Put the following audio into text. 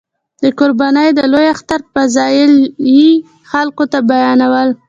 د قربانۍ د لوی اختر فضایل یې خلکو ته بیانول.